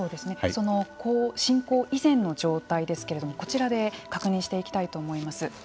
その侵攻以前の状態ですけれどもこちらで確認していきたいと思います。